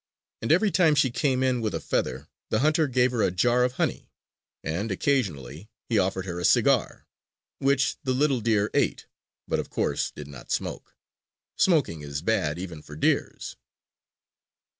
And every time she came in with a feather, the hunter gave her a jar of honey; and occasionally he offered her a cigar, which the little deer ate, but, of course, did not smoke. Smoking is bad even for deers.